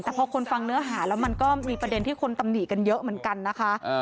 แต่พอคนฟังเนื้อหาแล้วมันก็มีประเด็นที่คนตำหนิกันเยอะเหมือนกันนะคะ